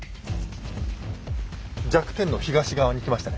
弱点の東側に来ましたね。